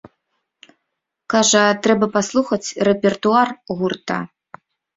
Кажа, трэба паслухаць рэпертуар гурта.